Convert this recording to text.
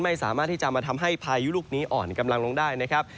ไม่สามารถที่จะมาทำให้พายุลูกนี้อ่อนกำลังลงได้นะครับ